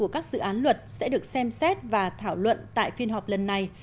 các dự án luật sẽ được xem xét và thảo luận tại phiên họp lần này